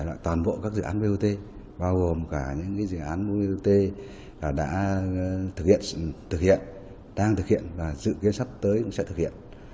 các bộ các dự án bot bao gồm cả những dự án bot đã thực hiện đang thực hiện và dự kiến sắp tới cũng sẽ thực hiện